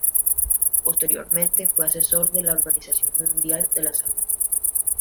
Posteriormente fue asesor de la Organización Mundial de la Salud.